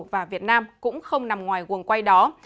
và việt nam cũng không nằm ngoài quần quay đó